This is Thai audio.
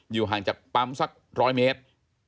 ห่างจากปั๊มสัก๑๐๐เมตร